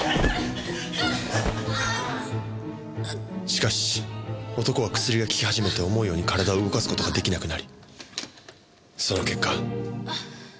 しかし男は薬が効き始めて思うように体を動かす事が出来なくなりその結果。